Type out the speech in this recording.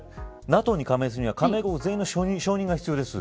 ＮＡＴＯに加盟するには加盟国の承認が必要です。